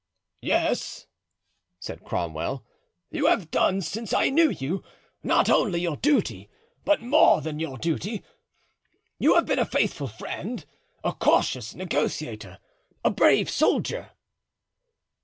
"Yes," said Cromwell; "you have done, since I knew you, not only your duty, but more than your duty; you have been a faithful friend, a cautious negotiator, a brave soldier."